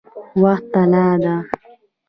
وخت طلا ده؟